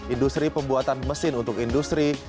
industri pembuatan mesin untuk industri